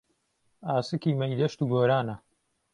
ئاسکی مهیدهشت و گۆرانه